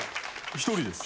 １人です。